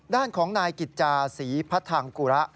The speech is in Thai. ด้านของนายกิจจาศรีพัทังกุระ